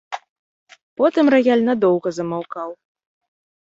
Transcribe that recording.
Потым раяль надоўга замаўкаў.